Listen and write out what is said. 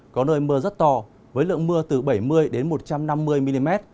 có nơi mưa rất to với lượng mưa từ bảy mươi một trăm năm mươi mm